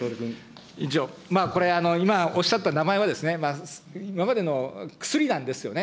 これ、今おっしゃった名前は、今までの薬なんですよね。